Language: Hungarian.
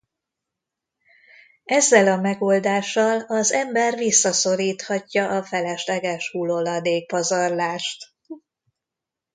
Ezzel a megoldással az ember visszaszorithatja a felesleges huloladék pazarlást.